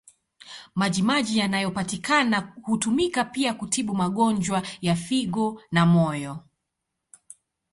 Maji maji yanayopatikana hutumika pia kutibu magonjwa ya figo na moyo.